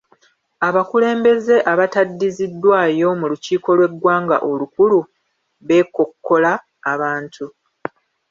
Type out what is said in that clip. Abakulembeze abataddiziddwayo mu lukiiko lw'eggwanga olukulu beekokkola abantu.